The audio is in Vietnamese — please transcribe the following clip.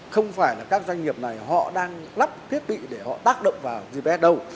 không phải là các doanh nghiệp này họ đang lắp thiết bị để họ tác động vào gps đâu